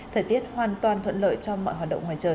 thời tiết hoàn toàn thuận lợi cho mọi hoạt động ngoài trời